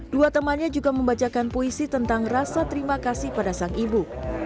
dua temannya juga membacakan puisi tentang rasa terima kasih pada sang ibu